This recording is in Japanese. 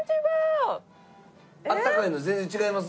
あったかいの全然違います？